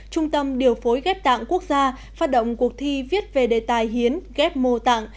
trung tâm điều phối ghép tạng quốc gia phát động cuộc thi viết về đề tài hiến ghép mô tạng